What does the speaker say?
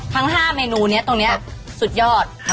ทั้ง๕เมนูนี้ตรงนี้สุดยอด